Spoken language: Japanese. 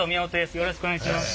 よろしくお願いします。